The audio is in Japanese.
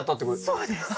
そうです。